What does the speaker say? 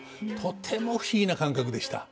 とても不思議な感覚でした。